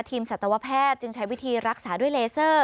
สัตวแพทย์จึงใช้วิธีรักษาด้วยเลเซอร์